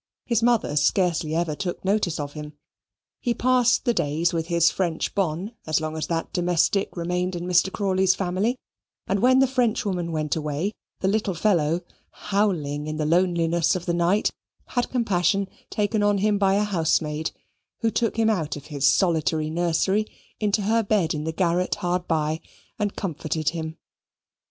His mother scarcely ever took notice of him. He passed the days with his French bonne as long as that domestic remained in Mr. Crawley's family, and when the Frenchwoman went away, the little fellow, howling in the loneliness of the night, had compassion taken on him by a housemaid, who took him out of his solitary nursery into her bed in the garret hard by and comforted him.